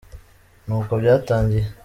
nuko byatangiye.